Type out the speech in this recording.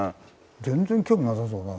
全然興味なさそうだな。